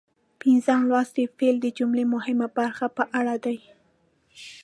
پنځم لوست د فعل د جملې مهمه برخه په اړه دی.